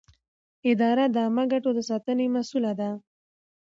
اداره د عامه ګټو د ساتنې مسووله ده.